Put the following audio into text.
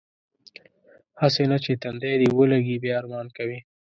هسې نه چې تندی دې ولږي بیا ارمان کوې.